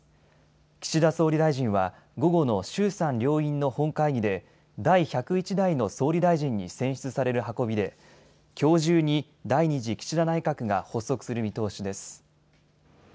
岸田総理大臣は午後の衆参両院の本会議で第１０１代の総理大臣に選出される運びできょう中に第２次岸田内閣が発足する見通しです。